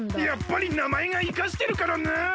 やっぱりなまえがイカしてるからな！